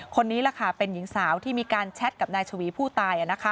คนนี้แหละค่ะเป็นหญิงสาวที่มีการแชทกับนายชวีผู้ตาย